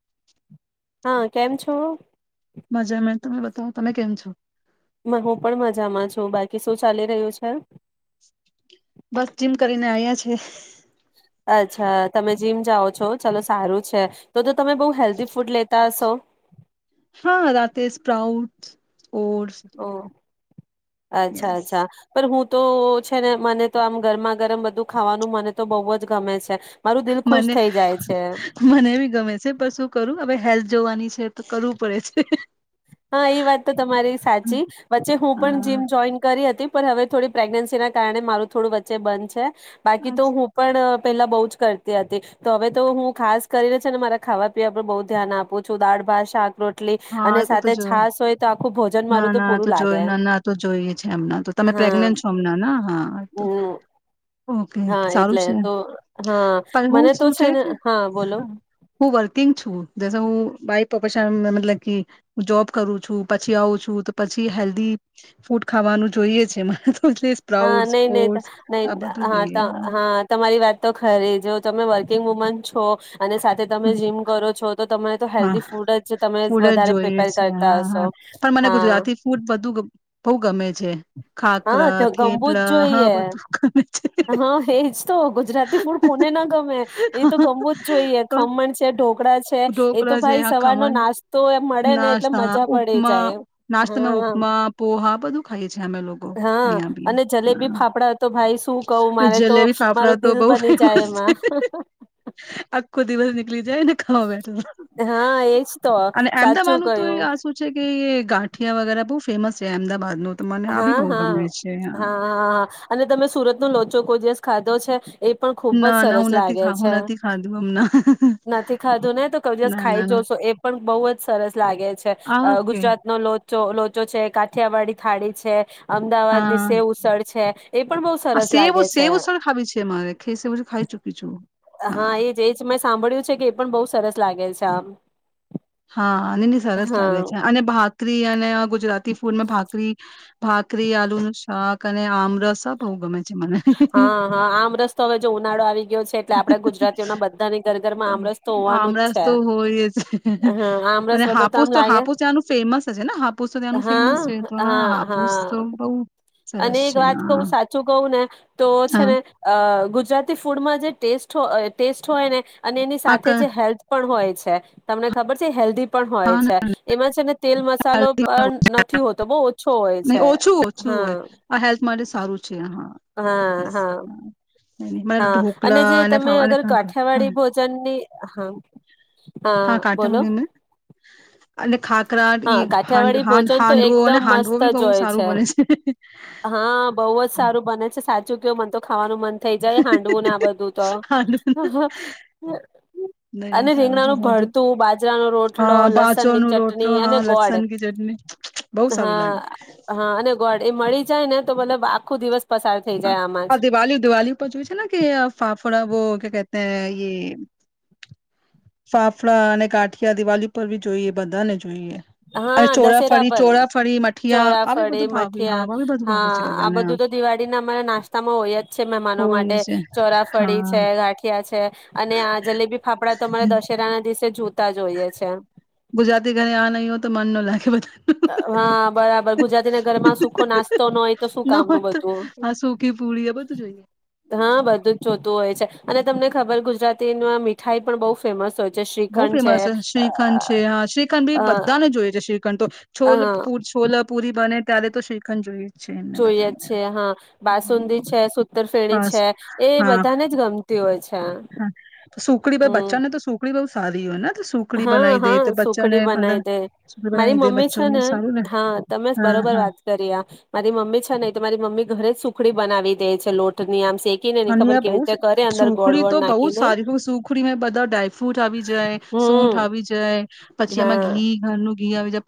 [inaudible] હા કેમ છો. મજા મે તમે બતાવ તમે કેમ છો. મ હું પણ મજામાં બાકી શું ચાલી રહ્યું છે. બસ જીમ કરીને આવ્યા છે. અચ્છા તમે જીમ જાઓ છો ચાલો સારું છે, તો તો તમે બહુ હેલ્ધી ફૂડ લેતા હશો હા રાતે સ્પ્રાઉટ ઓટ્સ હ અચ્છા યસ અચ્છા પર હું તો છે ને મને તો આમ ગરમા ગરમ બધું ખાવાનું મને તો બહુ જ ગમે છે. મારું દિલ ખુશ મને થઈ જાય છે મને બી ગમે છે, પણ શું કરું હવે હેલ્થ જોવાની છે, તો કરવું પડે છે. હા એ વાત તો તમારી સાચી વચ્ચે હું પણ હા જીમ જોઈન કરી હતી પણ હવે થોડી પ્રેગ્નન્સી ના કારણે મારું થોડું વચ્ચે બંધ છે. બાકી તો હું પણ પેલા બહ જ કરતી હતી તો હવે તો હું ખાસ કરીને છ ને મારા ખાવા પીવા પર બહ ધ્યાન આપું છું દાળ ભાત શાક રોટલી હા અને તો તો સાથે જોય છાસ હોય તો આખું ભોજન ના મારું ના તો પૂરું જો લાગે ના તો જોઈ છે એમ તમે હા પ્રેગ્નેન્ટ છો એમ ના હા તો હમ ઓકે હા સારું એટલે છે, તો હા પણ હું મને તો શું છે, ને કે હા બોલો હું વર્કિંગ છું. [unintelligible] હું [unintelligible] કે જોબ કરું છું પછી આવું છું તો પછી હેલ્ધી ફૂડ ખાવાનું જોઈએ છે મને. તો એટલે હા સ્પ્રાઉટ્સ નહી નહી ઓટ્સ નહી આ બધું હા જોઈએ હા તમારી વાત તો ખરી જો તમે વર્કિંગ વુમન છો અને સાથે તમે જીમ કરો છો તો તમે તો હા હેલ્ધી ફૂડ જ તમે ફૂડ જ વધારે જોઈએ પ્રિપેર છે, કરતા હા હશો હા પણ મને હા ગુજરાતી ફૂડ બધું બહુ ગમે છે, ખાખરા હા ગમવું જ થેપલા હા જોઈએ બધું ગમે છે. હા એજ તો ગુજરાતી ફૂડ કોને ના ગમે એ તો હા, ગમવું જ જોઈએ પણ ખમણ છે ઢોકળા છે, એ તો ભાઈ સવારનો નાસ્તો મળે ને નાસત એટલે મજા પડી ઉપમા જાય નાસ્તાના હા ઉપમા પો હા બધું ખાઈ હા અને જલેબી ફાફડા તો ભાઈ શું કવું મારે તો જલેબી ફાફડા મારું તો દિલ બહુ બની જાય ફેમસ કોઈ દિવસ નીકીલી જાય ખા હા એજ તો અને સાચું એમદાવાદ તો કયું આ શું છે કે ગા ઠિયા વગેરેહ ફેમસ છે એમદાબાદ નું. હા હા હાં અને તમે સુરત. નો લોચો કોઈ દિવસ ખાધો છે? એ પણ ખુબ જ ના ના સરસ હું નથી લાગે ખા છે હું નથી ખાધું હમણાં. નથી ખાધું ને તો કોઈ દિવસ ના ખાઈ ના ના જશો એ પણ બહુ જ સરસ લાગે છે. આ ઓકે ગુજરાતનો લોચો લો તો છે કાઠિયાવાડી. થાળી છે. અમદાવાદ ની હા. સેવ ઉસળ છે. એ પણ બહુ આ સરસ સેવ લાગે છે સેવ ઉસળ ખાવી છે મારે. ખે સેવ ઉસળ ખાઈ ચુકી છું. હા એજ એજ મેં સાંભળ્યું છે કે એ પણ બહુ સરસ લાગે છે આમ હા ની ની સરસ હા લાગે છે અને ભાકરી અને ગુજરાતી ફૂડમાં ભાકરી ભાખરી આલુનુ શાક અને આમરસા આ બહુ ગમે છે મને હા હા આમરસ તો હવે જો ઉનાળો આવી ગયો છે એટલે આપડા ગુજરાતીઓના બધાને ઘરે ઘરમાં આમરસ તો હોવાનું જ આમરસ છે. તો હોય જ હા અને આમરસ વગર હાપુસ આમ તો લાગે હાપુસ ત્યાંનું ફેમસ છે ને હાપુસ તો ત્યાંનું હા ફેમસ છે ને હા હાપુસ તો બહું અને સરસ એક છે વાત કહું હા. સાચું કહું ને તો છે હા ને અ ગુજરાતી ફૂડમાં જે ટેસ્ટ ટેસ્ટ હોય ને અને એની આ ક સાથે જે હેલ્થ પણ હોય. તમને ખબર છે હેલ્દી પણ હોય હા છે એમાં છે ને તેલ મસાલો પણ નથી હોતો બઉ ઓછો હોય નહી છે ઓછું ઓછું હા હોય આ હેલ્થ માટે સારું છે હા હા યસ હા હા. મને હા અને ઢોકલા જે તમે ફાવા અને અગર કાંકર કાઠિયાવાડી ભોજનની હા હા બોલો [inaudible] ખાખરા ઈ હા હાંડ કાઠિયાવાડી હાંડ ભોજન તો હાંડવો અને એકદમ હાંડવો મસ્ત બી જ બહુ હોય સારું છે બને હા બહ જ સારું બને છે સાચું [unintelligible] મન તો ખાવાનું મન થઇ જાય હાંડવું ને આ બધું તો હાંડવો નહી નહી અને સારું છે રીંગણાનું સારું છે. ભરતું બાજરા ન રોટલો હા બાચો લસણ ની નો રોટલો ચટની અને હા ગોળ લસણ કી ચટણી બહુ સારું હા લાગે હા અને ગોળ એ [unintelligible] મળી જાય ને તો મતલબ આખું દિવસ પસાર થઈ હા જાય આમાં હા જ દિવાલી દિવાલી ઉપર જોયું છે ને કે [unintelligible] ફાફડા વો ક્યા કહતે હૈ યે ફાફડાા અને ગાઠિયા દિવાલી પર ભી જોઈએ બધા ને જોઈએ અને હા દશેરા ચોરાફરી પર ચોરાફરી મઠીયા આવી ચોરાફળે બધું ભાવે હ બધું ભાવે છે બધાને હા તમારા નાસ્તામાં હોય જ છે મહેમાનો હોય માટે છે ચોરાફળી હા છે ગાંઠિયા છે અને આ જલેબી ફાફડા તમારાં દશેરા ના દિવસે જો તા જોઈએ છે ગુજરાતી ઘરે આ નહી હો તો મન ન લાગ બ હા બરાબર ગુજરાતી ના ઘરમાં સુખો નાસ્તો નો હોય તો શું કામ ન હોય તો બધું હા સૂકી પૂરી એ બધું જોઈએ. હા બધું જ હોય છે અને તમને ખબર ગુજરાતી મીઠાઈ પણ બહ ફેમસ હોય છે બહુ શ્રીખંડ ફેમસ છે શ્રીખંડ છે હા શ્રીખંડ ભી અ બધાને જોઈએ છે શ્રીખંડ તો છોલ હા પૂ છોલાપૂરી બને ત્યારે તો શ્રીખંડ જોઈએ છે એમને જોઈએ જ બધાને છે હા હમ્મ, બાસુંદી છે સુતરફેણી બસ છે એ હા બધાને જ ગમતી હોય છે હા સુખડી ભાઈ હમ. બચ્ચાને તો સુખડી સારીઓન હા હા સુખડી બનાવી દે સુખડી મારી બનાવી દે મમ્મી છે બચ્ચોને ને સારું હા તમે હા બરોબર હા વાત કરી આ મારી મમ્મી છે ને તો મારી મમ્મી ઘરે સુખડી ખડી બનાવી દે છે લોટની આમ શેકીને નહી ખબર અને બઉ કેવી રીતે કરે અંદર ગોળ સુખડી તો વોળ બહુ જ નાખીને સારી સુખડીમાં બધા ડ્રાયફ્રુટ આવી જાય સુંઠ હમ આવી જાય પછી એમાં હા ઘી ઘરનું [unintelligible]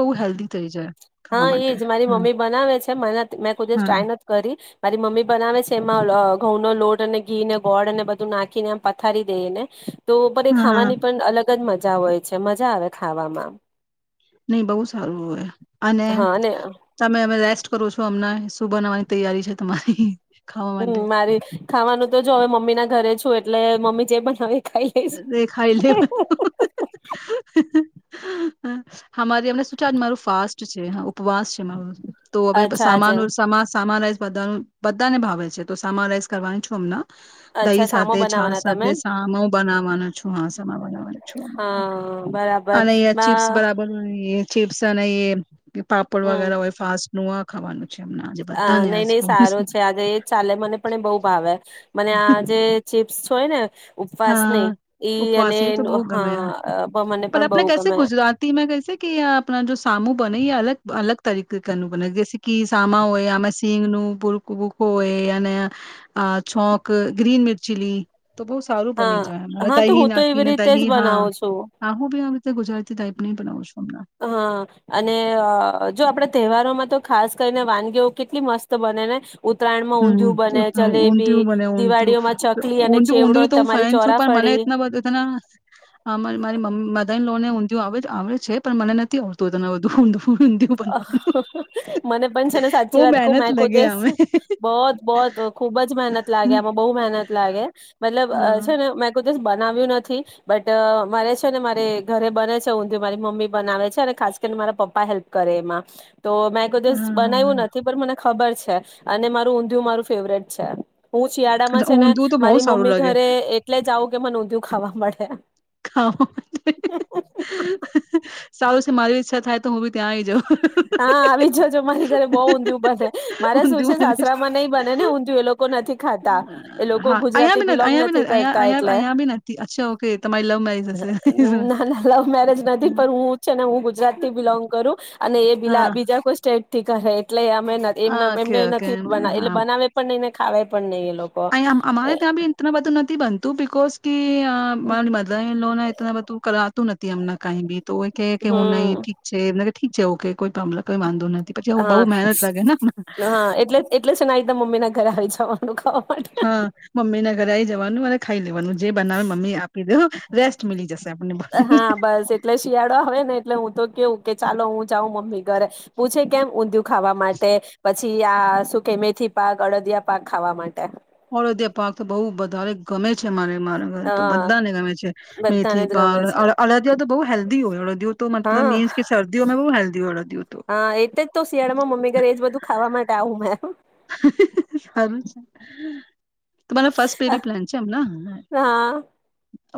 બહુ હેલ્ધી થઈ જાય ખાવા હા માટે એજ મારી હા મમ્મી બનાવે છે મને મેં કોઈ દીવસ હા ટ્રાય નથી કરી મારી મમ્મી બનાવે છે, એમાં ઘઉં નો લોટ, અને ઘી, ને ગોળ, અને બધું નાખીને આમ પથારી દઈને. તો પર એ હા હા ખાવાની પણ અલગ કજ મજા હોય છે, મજા આવે ખાવામાં. નહી બહુ સારું હોય. અને તમે અવે શુ કરું છું અમના શું બનાવવાની તૈયારી છે તમારી? ખાવા માટે હમ્મ મારી ખાવાનું તો જો હવે મમ્મી ના ઘરે છું એટલે મમ્મી જે બનાવે. ખાઈ લઈશ. એ ખાઈ લે. હામારી અમને શું ચાજ મારું ફાસ્ટ છે. ઉપવાસ છે મારો તો હવે અચ્છા આજે સામાનમા સામાન બધા બધાને ભાવે છે, તો સામા રઇસ કરવાની છું અમના. અચ્છા દહી સામો સાથે, છાસ બનાવવાના તમે સાથે એમ સામ બનાવાનું છું હ સમા બનાવાનું છ હા બરાબર અને અયા ચીપ્સ માં બરાબર એ ચીપ્સ અને એ કે પાપડ વગેરા હોય ફાસ્ટ નું ખાવાનું. છે એમના આજે અ બધાને નહી આજ નહી ખાવાનું સારો છે, આજે એ ચાલે મને પણ એ બહુ ભાવે. મને આ જે ચિપ્સ હોય ને ઉપવાસની હા ઈ અને ઉપવાસી તો બહુ ગમે હા મને પર પણ બહુ આપને કૈસે ગમે ગુજરાતી મેં કૈસે કે આપણા જો સામુ બનઈએ અલગ અલગ તરીકેનું ક બનઈએ? કે સામા હોય આમાં સિંગ નું ભૂરખ ભૂકો હોય હોય અને આ છોક ગ્રીન મિરચીલી તો બ સારું બની હા જાય હા તો દહી હું તો એવી નાખીને રીતે તહી જ બનાવું છું. હા હું બી આ રીતે ગુજરાતી ટાઈપ ન બનાવું સુ. હા અને અ જો આપણે તહેવારોમાં તો ખાસ કરીને વાનગીઓ કેટલી મસ્ત બને ને ઉત્તરાયણમાં હમ્મ ઊંધિયું બને [unintelligible] જલેબી ઊંધયું દિવાળીઓમાં ચકલી અને ઊંધું ચેવડો ઊંધિું તો હું તમારી ફેન છું પણ ચોરાફળી મને [unintelligible] મા મા મારી મધર ઇન લો ને આવે આવે છે પણ મને નથી આવડતું ઇતના બધું ઊંધિયું અ હ બનાવવાનું હ મને પણ છે ને સાચી બહુ વાત કઉ મે મહેનત કો લગે દિવસ આમે બોત, બોત ખુબ જ મહેનત લાગે આમાં બહુ મહેનત લાગે મતલબ હા છે ને મે ખુદ દિવસ બનાવ્યું નથી, બટ મારે છે ને મારે ઘરે બને છે ઊંધું મારી મમ્મી બનાવે છે અને ખાસ કરીને મારા પપ્પા કરે એમાં. તો મેં કો દિવસ બનાવ્યું હા નથી પણ મને ખબર છે. અને મારું ઊંધિયું મારું ફેવરેટ છે. હું શિયાળામાં અચ્છા, છે ને ઊંધિયું તો બહુ મારી સારું મમ્મી લાગે ઘરે એટલે જઉં કે મને ઊંધિ ખાવા મળે. ખાવો. [unintelligible] સારું છે મારી ઈચ્છા થાય તો હું બી ત્યાં જવું. હા આવી જજો મારી ઘરે બઉ ઉંધીયુ બને મારે શું છે ઊંધિયું બને સાસરા માં નઈ બને ને ઊંધિય એ લોકો નથી ખાત તા એ અ લોકો હા અહીંયા ગુજરાતી બી ન બિલોંગ અહીંયા બી નથી ન અહીંયા કરતા અહીંયા એટલે અહીંયા બી નથી અચ્છા ઓકે તમારી લવ મેરેજ હશે. ના ના લવ મેરેજ નથી. પણ હું છે ને હું ગુજરાતી બિલોંગ કરું. હા [unintelligible] બીજા. [inaudible] [unintelligible] એટલે અમે એમ ઓકે એમને નથી બના એટલે બનાવે પણ નહી. ખાવે પણ નહી એ લોકો અયા અમારે ત્યાં બી ઇતના બધું નથી બનતું બી કોસકી હા મદારી લો ઇતના વધુ કરા તું નથી અમના કાંઈ બી. તો એ કહે હું નય હમ ઠીક છે મ ઠીક છે ઓકે કોઈ પ્રોબ્લમ હા હા એટલે એટલે છે ના આ રીતના મમ્મીના ઘરે આવી જ હા મમ્મીના ઘરે આઈજ જવાનું અને ખાઈ લેવાનું જે બનાવે મમ્મી આપી દો. રેસ્ટ મલી જશે. આપણને બને. હા બસ એટલે શિયાળો આવે ને એટલે હુ તો કેવું કે ચાલો હું જાઉં મમ્મી ઘરે પૂછે કેમ ઊંધિયું ખાવા માટે પછ પછી આ શું કે મેથી પાક અડદિયા પાક ખાવા માટે. હળદયા પાક તો બહુ બધ ધારે ગમે છે મારે મારા ઘરે અ તો બધાને ગમે છે બધાને મેથી જ પાક ગમે અલ છે અલ અલદિયા તો બહુ હેલ્ [unintelligible] અડદીયું તો હા મતલબ એજ કે શરદીઓમાં બહુ હેલ્દી અડદીયું. હા એટલે જ તો શિયાળામાં મમ્મી ઘરે એજ બધું ખાવા માટે આવું. [inaudible] [inaudible] ફર્સ્ટ અહ બેબી પ્લાન છે એમ ને? હા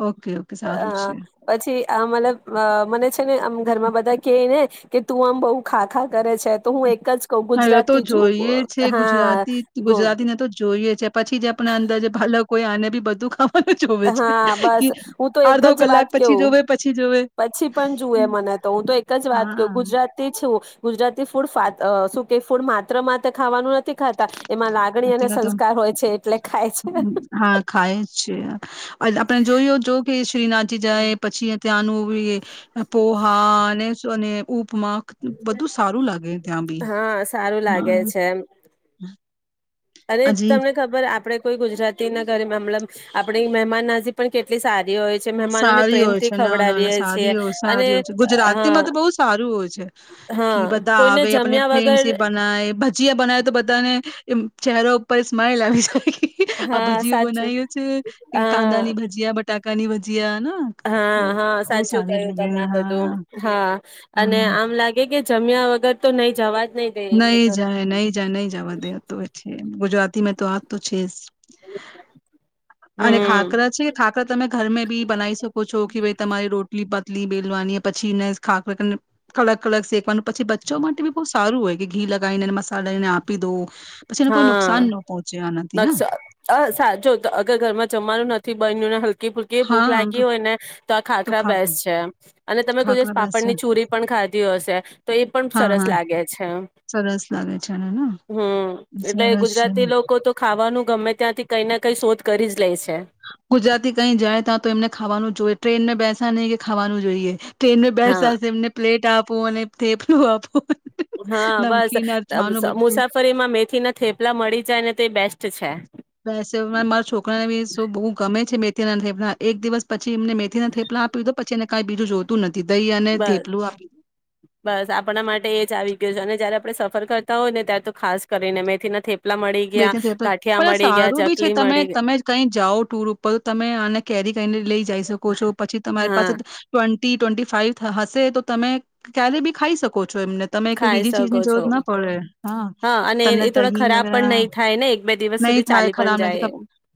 ઓકે ઓકે સારું છે. અ પછી આ મતલબ મને છે ને આમ ઘરમાં બધા કેય ને કે તું આમ બઉુ ખા ખા કરે છે. તો હું એક જ કહ હવે તો ગુજરાતી છું જોઈએ છે હા. ગુજરાતી ગુજરાતીને તો જોઈએ છે પછી જે આપણા અંદર જે [unintelligible] આને બી બધું ખાવ હા બસ હું તો એક અડધો જ વાત કલાક પછી કઉું જોવે પછી જોવે પછી પણ જુએ મને તો હું તો એક જ વાત કું હા ગુજરાતી છું. ગુજરાતી ફૂડ ફાત શું કે ફૂડ માત્ર માત્ર ખાવાનું નથી ખાતા. એમાં લાગણી અને [unintelligible] તો સંસ્કાર હોય છે એટલે ખાય છે. હા ખાયે જ છે અજ આપણે જોયું જોયું કે શ્રીનાથજી જાય પછી ત્યાનુંવી પો હા અને અને ઉપ મા બધું સારું લાગે ત્યાં બી હા સારું લાગે છે એમ [inaudible] અને હજી તમને ખબર આપડે કોઈ ગુજરાતી ના ઘરે મમલમ આપેને મહેમાન નજી પણ કેટલી સારી હોય છે મહેમાનોને સારી હોય પ્રેમથી છે ના ના ના ખવડાવીએ સારી છીએ હોય અને સારી હોય છે હા ગુજરાતીમાં તો બહુ સારું હોય છે હા કી બધા કોઈને આવે આપને જમ્યા ફેમ સ વગર બનાવે ભજીયા બનાવે તો બધાને એ ચહેરો ઉપર સ્માઈલ આવી શકે. આ હા ભજીઓ સાચું બનાવી છે કાંદા હા ની ભજીયા બ તાકાની વધી હિયાના હા હા સાચું કયું તમને બધું હા હા અને હમ આમ લાગે કે જમ્યા વગર તો નહી જવાય. નહી જાય નહી જાય નહી જવા દેતુ હો છે ગુજરાતી તમે તો આ તો છેસ. અને હમ ખાકરા છે ખાકરા તમે ઘરમે બી બનાવી શકો છો કે ભાઈ તમારી રોટલી પાત ટલી બેલવાની પછીને ખાને કડક કડક શેકવાનું. પછી બચ્ચો માટે બી બહુ સારું હોય. કે ઘી લગાવીને મસાલા ને આપી દો. પછી એને કોઈ નુકસાન હા ન પહોંચે આનાથી ને નકશો સાજો તો અગર ઘરમાં જમવાનું નથી બનોને હલ્થ કી ફુલકી ભૂખ લાગી હા હોય ને તો આ ખાખરા બેસ છે અને તમે કોઈ દિવસ ખાખરા બેસ્ટ પાપડ છે ની ચુરી પણ ખાધી હશે તો એ પણ હા સરસ હા લાગે છે. સરસ લાગે છે એને ને હમ. એટલે સરસ છે ગુજરાતી લોકો તો ખાવાનું ગમે ત્યાંથી કઈ એ કઈ શોધ કરી જ લે છે. ગુજરાતી કઈ જાય ત્યાં તો એમને ખાવાનું જોય ટ્રેન ને બેસ કયને કે ખાવાનું જોઈએ. ટ્રેનમાં બેર હા સાથે એમને પ્લેટ આપ પો અને થેપલુ હા બસ બધું મુસાફરીમાં મેથી ના થેપલા મળી જાય ને તે બેસ્ટ છે. રસોઈ મા મારા છોકરાને બી શુશુ બહુ ગમે છે મે થેપલા ના એક દિવસ પછી પછી એમ મેથી ના થેપલા આપીયો પછીને કઈ બીજું જોતું નથી. દહીં અને બસ થેપલું આપી દો બસ આપણા માટે એ જ આવી ગયું છે અને જયારે આપણે સફર કરતા હોય ને ત્યારે તો ખાસ કરીને મેંથી ના થેપ બે ત થ તો પણ સારું બી છે ચકલી તમે મળી ગયા તમે કઈ જાઓ ટુર ઉપર તમે આને કેરી કરીને લઈ જઈ શકો છો પછી તમારી હા પાસે ટવે ટી ટ્વેન્ટી ફાઈવ હશે તો તમે ક્યારે બી ખાઈ શકો છો. તો એમને તમે ખાઈ બીજી ચીજ શકો ની જરૂર છો ના પડે હા અને તમને એ થોડા દહી ખરાબ પણ વગેરા નહી થાય ને એક બે દિવસ નહી સુધી થાય ચાલી પણ ખરાબ જાય નહ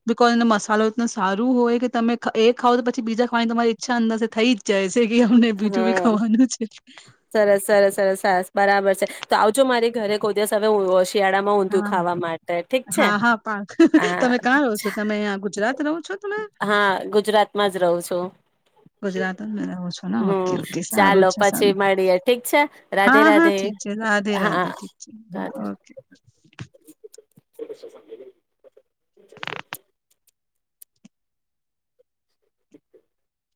બિકોઝ એનો મસાલો એટલો સારું હોય કે તમે એ એ ખાવ તો પછીજાવાની તમારી ઈચ્છ અંદર સે થઈ જાય છે. કે અમને બીજું બી હા ખાવાનું છે. સરસ સરસ સરસ સરસ બરાબર છે. તો આવજો મારી ઘરે કોઈ દિવસ હવે હોશ શિયાળામાં ઊંધિું હા ખાવા માટે ઠીક છે, હા હા પણ તમે કાં રહો છો તમે આ ગુજરાત રહો છો તમે હા ગુજરાતમાં જ રહું છું. ગુજરાત મેં રહો છો ને? ઓકે હમ ઓકે સારું ચાલો છે પછી સારું મળીએ ઠીક છે, રાધે હા હા રાધે ઠીક છે રાધે હા રાધે ઠીક છે રાધે હા [inaudible] ઓકે. [inaudible]